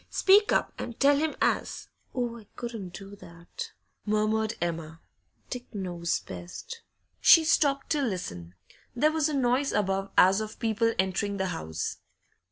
Speak up and tell him as ' 'Oh, I couldn't do that!' murmured Emma. 'Dick knows best.' She stopped to listen; there was a noise above as of people entering the house.